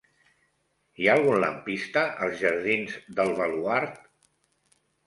Hi ha algun lampista als jardins del Baluard?